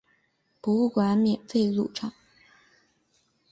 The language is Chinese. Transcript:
博物馆免费入场。